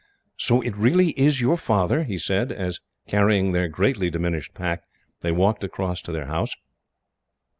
"So it is really your father?" he said, as, carrying their greatly diminished pack, they walked across to their house.